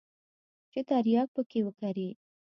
چې ترياک پکښې وکري.